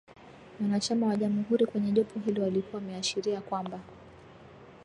Wanachama wa Jamuhuri kwenye jopo hilo walikuwa wameashiria kwamba